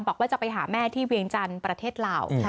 บอกว่าจะไปหาแม่ที่เวียงจันทร์ประเทศลาว